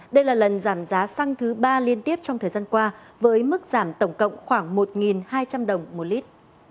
đây là lần giảm giá xăng thứ ba liên tiếp trong thời gian qua với mức giảm tổng cộng khoảng một hai trăm linh đồng một lít